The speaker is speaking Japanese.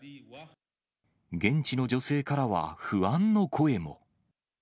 現地の女性からは不安の声も。